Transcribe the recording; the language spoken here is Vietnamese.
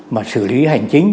mà xử lý hành chính